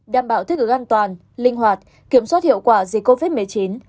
đảm bảo thích ứng an toàn linh hoạt kiểm soát hiệu quả dịch covid một mươi chín